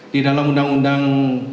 di dalam undang undang peradilan militer